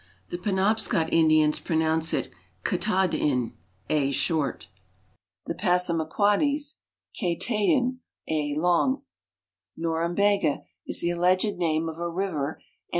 Tlie Penobsc'ot Indians ])ronounce it Kta'd'n [a short) ; the PassaniaquodJies, Ktad'n {n long). Norumbega is the alleged name of a river and